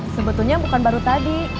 sebetulnya bukan baru tadi